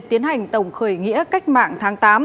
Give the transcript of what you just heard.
tiến hành tổng khởi nghĩa cách mạng tháng tám